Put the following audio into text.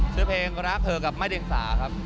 ชื่อเพลงรักเธอกับแม่เรียงสาครับ